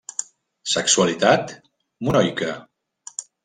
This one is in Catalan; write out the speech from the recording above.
Sexualitat: monoica.